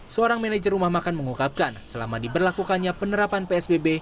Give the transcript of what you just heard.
seorang manajer rumah makan mengungkapkan selama diberlakukannya penerapan psbb